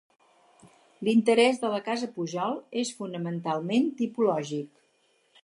L'interès de la Casa Pujol és fonamentalment tipològic.